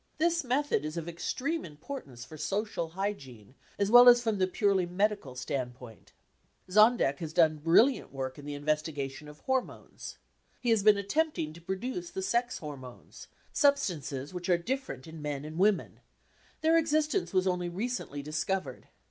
This method is of extreme importance for social hygiene as well as from the purely medical standpoint. Zondek has done brilliant work in the investigation of hormones. He; has been attempting to produce the sex hormones, substances which are different in men and women ; their existence was only recently discovered.